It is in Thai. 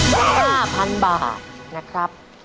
๕๐๐๐บาทนะครับ